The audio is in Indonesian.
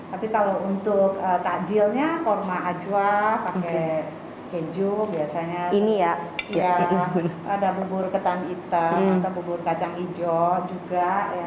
tapi kalau untuk takjilnya kurma ajwa pakai keju biasanya ada bubur ketan hitam atau bubur kacang hijau juga